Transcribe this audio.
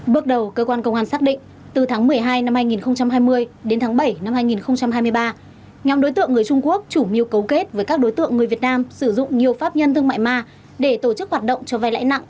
bước đầu cơ quan công an xác định từ tháng một mươi hai năm hai nghìn hai mươi đến tháng bảy năm hai nghìn hai mươi ba nhóm đối tượng người trung quốc chủ mưu cấu kết với các đối tượng người việt nam sử dụng nhiều pháp nhân thương mại ma để tổ chức hoạt động cho vay lãi nặng